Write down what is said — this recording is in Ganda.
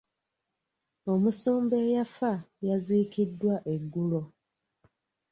Omusumba eyafa yaziikiddwa eggulo.